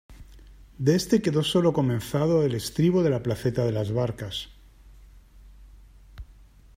De este quedó solo comenzado el estribo de la placeta de las Barcas.